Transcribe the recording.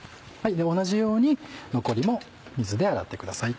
同じように残りも水で洗ってください。